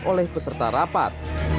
oleh peserta rapat